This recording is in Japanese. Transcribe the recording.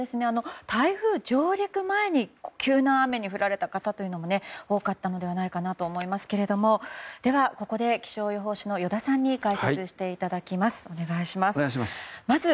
台風上陸前に急な雨に降られた方も多かったのではないかと思いますけれどここで気象予報士の依田さんに解説していただきます。